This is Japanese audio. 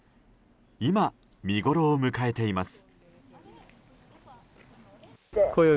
今、見ごろを迎えています。